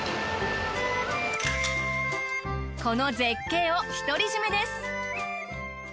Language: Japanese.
この絶景を独り占めです。